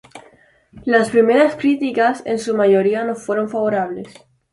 Las primeras críticas, en su mayoría, no fueron favorables.